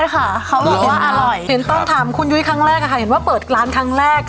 เห็นต้นถามคุณยุ้ยครั้งแรกละค่ะเห็นว่าเปิดร้านครั้งแรก